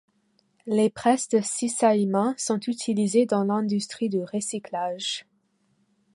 Les presse de cisaillement sont utilisés dans l'industrie du recyclage.